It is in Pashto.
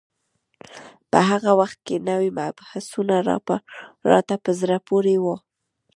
په هغه وخت کې نوي مبحثونه راته په زړه پورې وو.